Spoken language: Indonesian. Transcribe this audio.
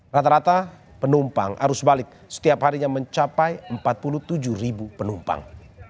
rata rata penumpang arus balik setiap harinya mencapai empat puluh tujuh ribu penumpang